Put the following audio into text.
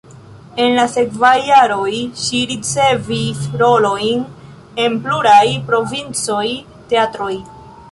En la sekvaj jaroj ŝi ricevis rolojn en pluraj provincaj teatroj.